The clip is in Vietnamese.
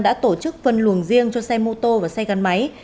đã tổ chức phân luồng riêng cho xe mô tô và xe gắn máy